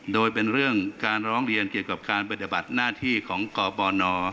โดยเป็นเรื่องการร้องเรียนเกี่ยวกับการปฏิบัติหน้าที่ของกบน